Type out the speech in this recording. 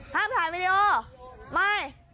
ห้ามถ่ายวีดีโอไม่